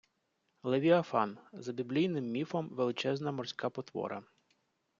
Левіафан - за біблійним міфом, величезна морська потвора